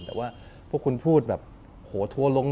หรือว่าพวกคุณพูดบะหัวทวหลง